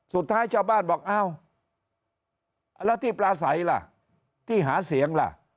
สุดท้ายชาวบ้านบอกอ้าวแล้วที่ปลาใสล่ะที่หาเสียงล่ะ